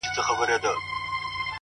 صبر د لویو هیلو ساتونکی پاتې کېږي,